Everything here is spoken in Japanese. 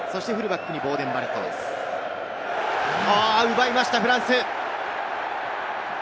奪いましたフランス。